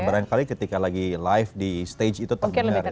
barangkali ketika lagi live di stage itu terdengar